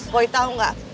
boy tau gak